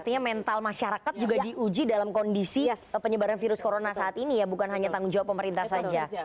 artinya mental masyarakat juga diuji dalam kondisi penyebaran virus corona saat ini ya bukan hanya tanggung jawab pemerintah saja